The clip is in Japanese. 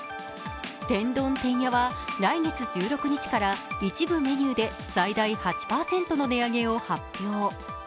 天丼てんやは来月１６日から一部メニューで最大８％の値上げを発表。